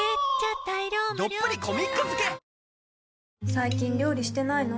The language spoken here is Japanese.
最近料理してないの？